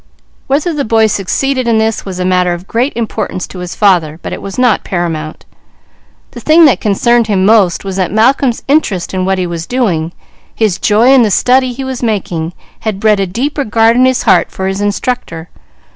Whether the boy succeeded in this was a matter of great importance to his father, but it was not paramount. The thing that concerned him most was that Malcolm's interest in what he was doing, his joy in the study he was making, had bred a deep regard in his heart for his instructor.